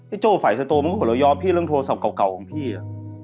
ไอ้โจ่ไฝสตรมก็เหลือยอบพี่เรื่องโทรศัพท์เก่าของพี่อ่ะ